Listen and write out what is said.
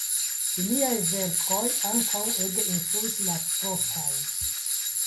Iliaj verkoj ankaŭ ege influis la proprajn.